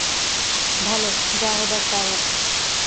ভাল যা হবার তা হোক।